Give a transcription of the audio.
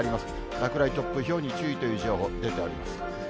落雷、突風、ひょうに注意という情報、出ています。